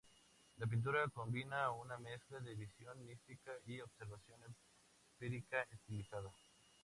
La pintura combina una mezcla de visión mística y observación empírica estilizada.